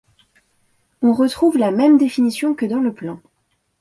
On retrouve la même définition que dans le plan.